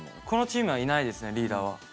このチームはいないですねリーダーは。